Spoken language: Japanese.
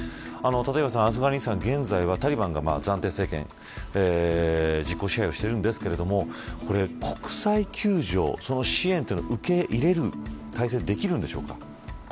立岩さん、アフガニスタン現在はタリバンが暫定政権実効支配をしているんですが国際救助、その支援というのは受け入れる体制ができるんでしょうか。